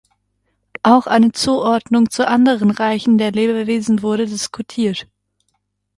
Auch eine Zuordnung zu anderen Reichen der Lebewesen wurde diskutiert.